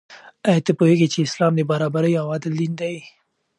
آیا ته پوهېږې چې اسلام د برابرۍ او عدل دین دی؟